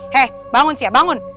hei bangun siap bangun